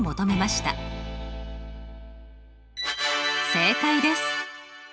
正解です。